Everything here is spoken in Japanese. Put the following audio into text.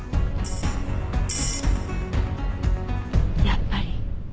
やっぱり。